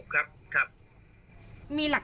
คุณผู้ชมครับ